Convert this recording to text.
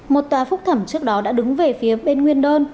một tòa phúc thẩm trước đó đã đứng về phía bên nguyên đơn